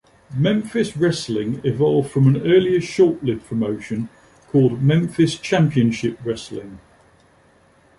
Memphis Wrestling evolved from an earlier short-lived promotion called Memphis Championship Wrestling.